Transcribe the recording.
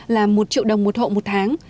là một triệu đồng một hộ một tháng